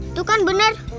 itu kan bener